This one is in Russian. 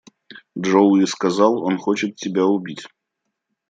Джоуи сказал, он хочет тебя убить.